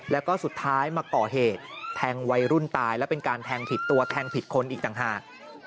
แล้วก็สุดท้ายมาก่อเหตุแทงวัยรุ่นตายแล้วเป็นการแทงผิดตัวแทงผิดคนอีกต่างหาก